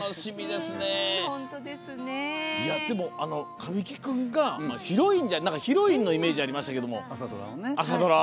神木君がヒロインのイメージありましたけど、朝ドラ。